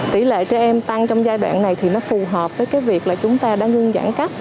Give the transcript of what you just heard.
tỷ lệ trẻ em tăng trong giai đoạn này thì nó phù hợp với cái việc là chúng ta đã ngưng giãn cách